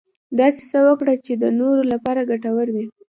داسې څه وکړه چې د نورو لپاره ګټور وي .